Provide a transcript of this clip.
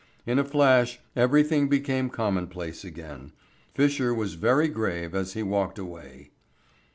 In a flash everything became commonplace again. Fisher was very grave as he walked away.